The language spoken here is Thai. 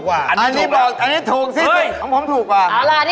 อันนี้ถูกสิ